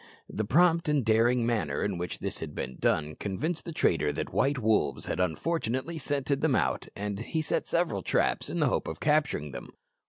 The prompt and daring manner in which this had been done convinced the trader that white wolves had unfortunately scented them out, and he set several traps in the hope of capturing them.